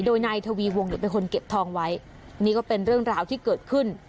โดยนายทวีวงเนี่ยเป็นคนเก็บทองไว้นี่ก็เป็นเรื่องราวที่เกิดขึ้น